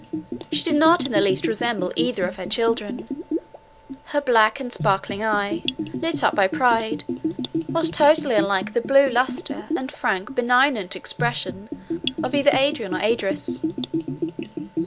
She did not in the least resemble either of her children; her black and sparkling eye, lit up by pride, was totally unlike the blue lustre, and frank, benignant expression of either Adrian or Idris.